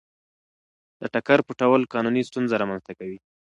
د ټکر پټول قانوني ستونزه رامنځته کوي.